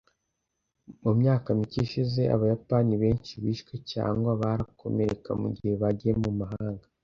mu myaka mike ishize, abayapani benshi bishwe cyangwa barakomereka mugihe bagiye mu mahanga